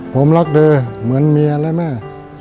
ผมรักเธอเหมือนเมียและแม่